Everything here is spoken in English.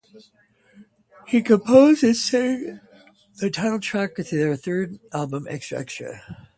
He composed and sung the title track on their third album "Extra Extra".